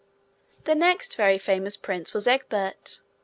The next very famous prince was Egbert.